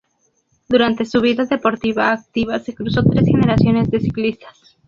Durante su vida deportiva activa se cruzó tres generaciones de ciclistas.